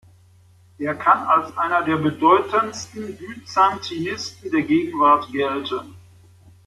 Er kann als einer der bedeutendsten Byzantinisten der Gegenwart gelten.